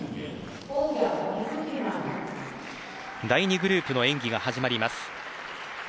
第２グループの演技が始まります。